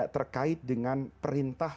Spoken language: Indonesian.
terkait dengan perintah